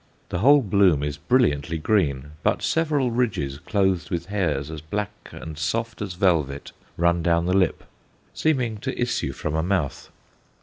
The whole bloom is brilliantly green, but several ridges clothed with hairs as black and soft as velvet run down the lip, seeming to issue from a mouth.